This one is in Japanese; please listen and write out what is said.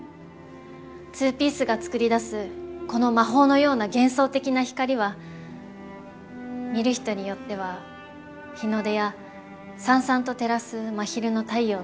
ツーピースがつくり出すこの魔法のような幻想的な光は見る人によっては日の出や燦々と照らす真昼の太陽のように。